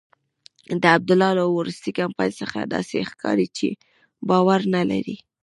د عبدالله له وروستي کمپاین څخه داسې ښکاري چې باور نلري.